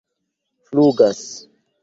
flugas